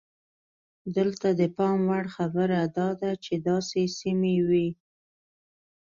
دلته د پام وړ خبره دا ده چې داسې سیمې وې.